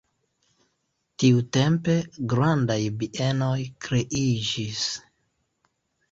Tiutempe grandaj bienoj kreiĝis.